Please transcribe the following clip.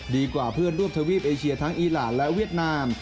เพื่อนร่วมทวีปเอเชียทั้งอีหลานและเวียดนาม